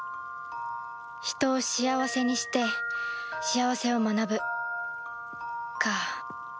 人を幸せにして幸せを学ぶか